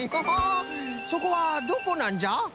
そこはどこなんじゃ？